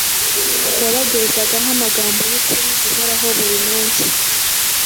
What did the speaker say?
wabagezagaho amagambo y’ukuri guhoraho buri munsi.